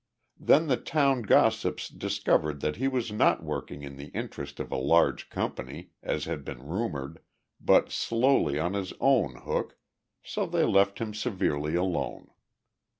Then the town gossips discovered that he was not working in the interest of a large company, as had been rumored, but solely on his own hook, so they left him severely alone.